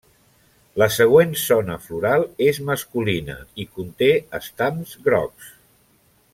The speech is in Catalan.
La següent zona floral és masculina i conté estams grocs.